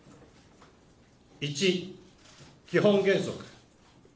１、基本原則。